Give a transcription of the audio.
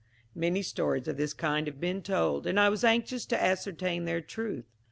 "Many stories of this kind have been told, and I was anxious to ascertain their truth.